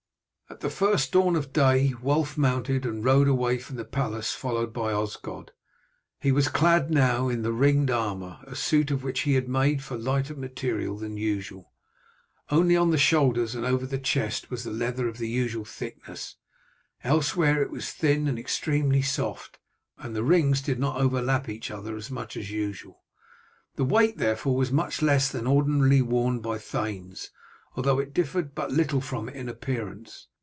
At the first dawn of day Wulf mounted, and rode away from the palace followed by Osgod. He was clad now in the ringed armour, a suit of which he had had made of lighter material than usual. Only on the shoulders and over the chest was the leather of the usual thickness, elsewhere it was thin and extremely soft, and the rings did not overlap each other as much as usual. The weight, therefore, was much less than that ordinarily worn by thanes, although it differed but little from it in appearance.